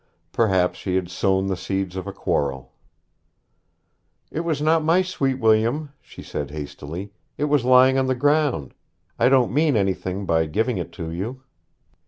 Perhaps she had sown the seeds of a quarrel. 'It was not my sweet william,' she said hastily; 'it was lying on the ground. I don't mean anything by giving it to you.'